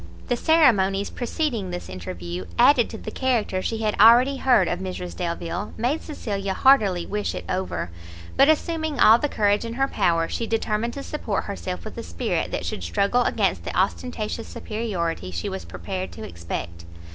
The ceremonies preceding this interview, added to the character she had already heard of Mrs Delvile, made Cecilia heartily wish it over; but, assuming all the courage in her power, she determined to support herself with a spirit that should struggle against the ostentatious superiority she was prepared to expect.